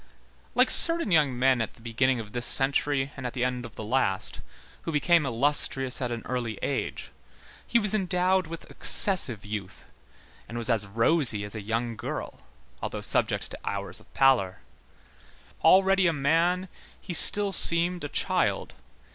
Like certain young men at the beginning of this century and the end of the last, who became illustrious at an early age, he was endowed with excessive youth, and was as rosy as a young girl, although subject to hours of pallor. Already a man, he still seemed a child.